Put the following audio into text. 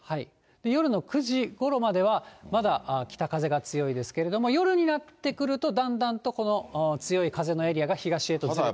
夜の９時ごろまでは、まだ北風が強いんですけど、夜になってくるとだんだんとこの強い風のエリアが東へと移っていただ